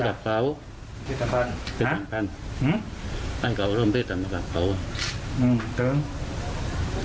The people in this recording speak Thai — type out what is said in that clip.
ทำแผนทำแผนหือให้เขาร่วมด้วยกันกับเขาอืมเติม